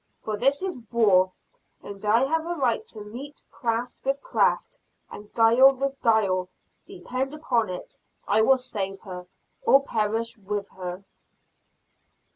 For this is war, and I have a right to meet craft with craft, and guile with guile. Depend upon it, I will save her, or perish with her."